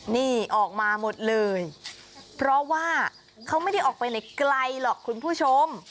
นี่ออกมาหมดเลยเพราะว่าเขาไม่ได้ออกไปไหนไกลหรอกคุณผู้ชม